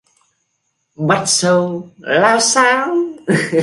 Bắt sâu lao xao